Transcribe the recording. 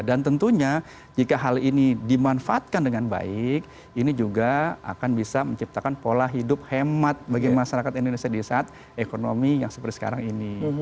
dan tentunya jika hal ini dimanfaatkan dengan baik ini juga akan bisa menciptakan pola hidup hemat bagi masyarakat indonesia di saat ekonomi yang seperti sekarang ini